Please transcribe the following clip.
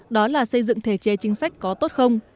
đó là xây dựng thể chế chính sách có tốt không